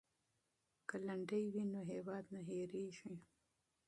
که لنډۍ وي نو هیواد نه هیریږي.